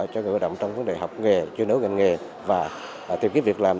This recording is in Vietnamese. cho người lao động trong vấn đề học nghề chuyên đấu gần nghề và tìm kiếm việc làm